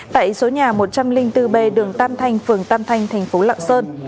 tại số nhà một trăm linh bốn b đường tam thanh phường tam thanh tp lạng sơn